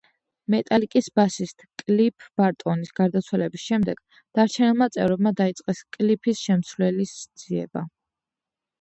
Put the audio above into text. მეტალიკის ბასისტ კლიფ ბარტონის გარდაცვალების შემდეგ, დარჩენილმა წევრებმა დაიწყეს კლიფის შემცვლელის ძიება.